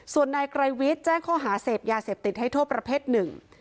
ส่วนนายไกรวิทย์แจ้งข้อหาเสพยาเสพติดให้โทษประเภทหนึ่ง